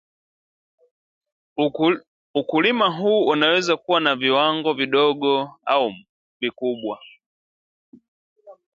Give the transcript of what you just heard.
Ukulima huu unaweza kuwa wa viwango vidogo au vikubwa